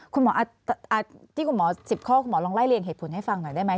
คุณหมอที่คุณหมอ๑๐ข้อคุณหมอลองไล่เรียงเหตุผลให้ฟังหน่อยได้ไหม